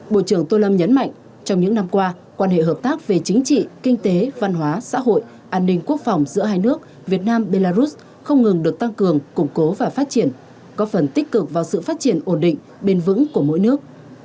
bộ trưởng tô lâm nhấn mạnh trong những năm qua quan hệ hợp tác về chính trị kinh tế văn hóa xã hội an ninh quốc phòng giữa hai nước việt nam belarus không ngừng được tăng cường củng cố và phát triển có phần tích cực vào sự phát triển ổn định bền vững của mỗi nước